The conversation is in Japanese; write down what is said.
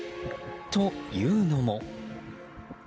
というのも。